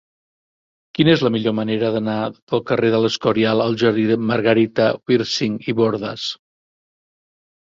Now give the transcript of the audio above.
Quina és la millor manera d'anar del carrer de l'Escorial al jardí de Margarita Wirsing i Bordas?